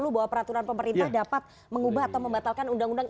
bahwa peraturan pemerintah dapat mengubah atau membatalkan undang undang